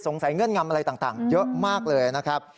ใส่เงื่อนงำอะไรต่างเยอะมากเลยนะครับ